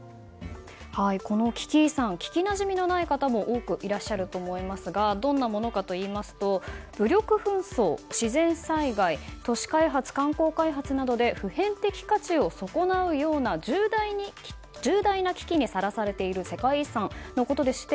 この危機遺産聞きなじみのない方も多くいらっしゃるかと思いますがどんなものかといいますと武力闘争、自然災害、都市開発観光開発などで普遍的価値を損なうような重大な危機にさらされている世界遺産のことでして